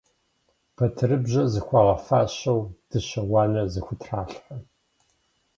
Батырыбжьэр зыхуагъэфащэу, дыщэ уанэр зыхутралъхьэ.